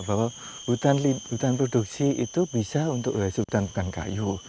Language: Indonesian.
bahwa hutan produksi itu bisa untuk hutan bukan kayu